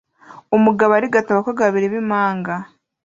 Umugabo arigata abakobwa babiri b'impanga